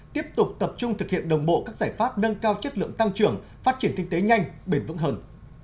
tiếp tục tập trung thực hiện đồng bộ các giải pháp nâng cao chất lượng tăng trưởng phát triển kinh tế nhanh bền vững hơn